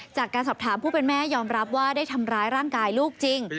จากการสอบถามผู้เป็นแม่ยอมรับว่าได้ทำร้ายร่างกายลูกจริง